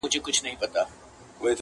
ور شریک یې په زګېروي په اندېښنې سو-